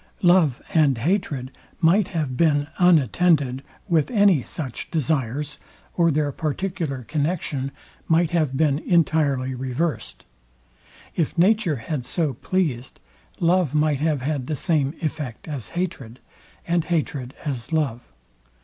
Love and hatred might have been unattended with any such desires, or their particular connexion might have been entirely reversed. If nature had so pleased, love might have had the same effect as hatred, and hatred as love.